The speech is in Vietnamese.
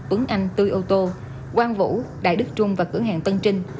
ứng anh tươi ô tô quang vũ đại đức trung và cửa hàng tân trinh